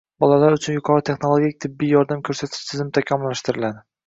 bolalar uchun yuqori texnologik tibbiy yordam ko‘rsatish tizimi takomillashtiriladi.